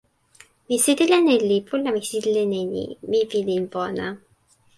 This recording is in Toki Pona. mi sitelen e lipu la mi sitelen e ni: mi pilin pona.